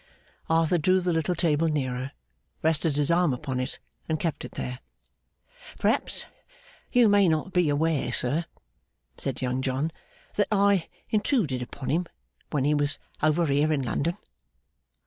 Arthur drew the little table nearer, rested his arm upon it, and kept it there. 'Perhaps you may not be aware, sir,' said Young John, 'that I intruded upon him when he was over here in London.